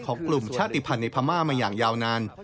กลุ่มชาติภัณฑ์ในพม่ามาอย่างยาวนาน